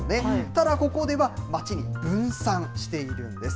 ただここでは、町に分散しているんです。